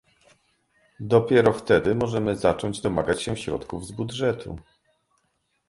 Dopiero wtedy możemy zacząć domagać się środków z budżetu